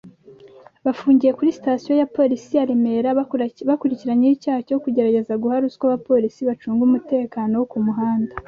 banfungiye kuri Sitasiyo ya Polisi ya Remera bakurikiranyweho kugerageza guha ruswa abapolisi bacunga umutekano wo ku muhanda